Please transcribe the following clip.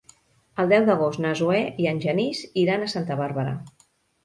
El deu d'agost na Zoè i en Genís iran a Santa Bàrbara.